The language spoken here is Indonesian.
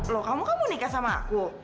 loh kamu kan mau nikah sama aku